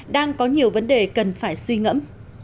đang có nhiều vấn đề cần phải suy ngẫm